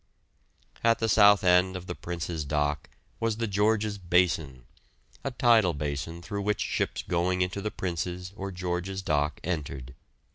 At the south end of the Prince's dock was the George's basin, a tidal basin through which ships going into the Prince's or George's dock entered.